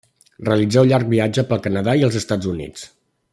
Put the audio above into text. Realitzà un llarg viatge pel Canadà i els Estats Units.